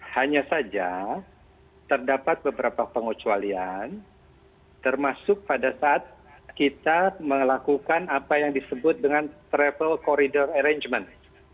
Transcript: hanya saja terdapat beberapa pengucualian termasuk pada saat kita melakukan apa yang disebut dengan travel corridor arrangement